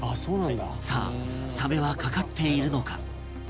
さあサメは掛かっているのか？